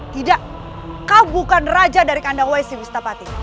tidak kau bukan raja dari kandang wesi wistapati